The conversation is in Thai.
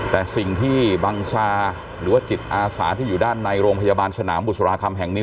แต่สิ่งที่บังซาหรือว่าจิตอาสาที่อยู่ด้านในโรงพยาบาลสนามบุษราคำแห่งนี้